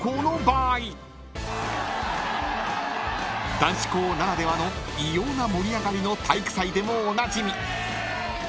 ［男子校ならではの異様な盛り上がりの体育祭でもおなじみ］